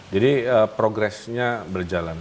jadi progressnya berjalan